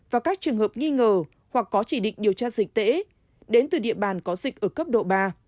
và các trường hợp nghi ngờ hoặc có chỉ định điều tra dịch tễ đến từ địa bàn có dịch ở cấp độ ba